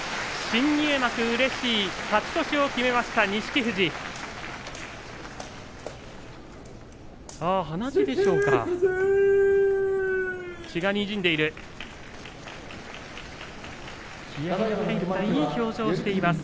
新入幕、うれしい勝ち越しを決めました錦富士です。